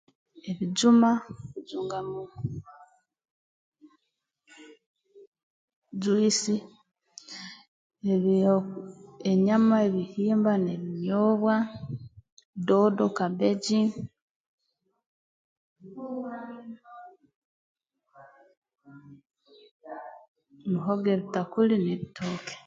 Ebijuma tujungamu jwisi ebyo enyama ebihimba n'ebinyobwa doodo kabbeji muhogo ebitakuli n'ebitooke